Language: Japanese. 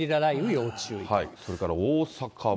それから大阪も。